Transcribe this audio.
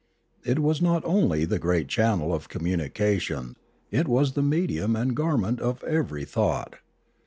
It was not only the great channel of communication; it was the medium and garment of every thought.